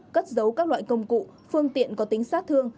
cất dấu các loại công cụ phương tiện có tính sát thương